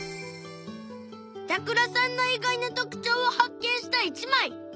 板倉さんの意外な特徴を発見した一枚